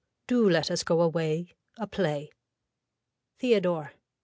DO LET US GO AWAY A PLAY (Theodore.)